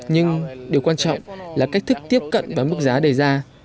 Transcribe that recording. nhưng điều quan trọng là cách thức tiếp cận và mức giá đề ra